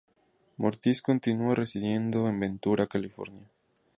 Ortiz continúa residiendo en Ventura, California.